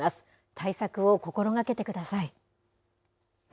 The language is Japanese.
対策を心がけてください。